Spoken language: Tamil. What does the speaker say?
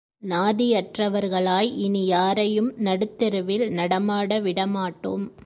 நாதியற்றவர்களாய் இனி யாரையும் நடுத்தெருவில் நடமாட விடமாட்டோம்.